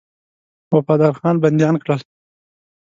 وفادارخان بنديان کړل.